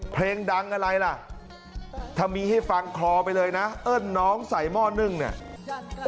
เพลงดังอะไรล่ะถ้ามีให้ฟังคลอไปเลยนะเอิ้นน้องใส่หม้อนึ่งเนี่ย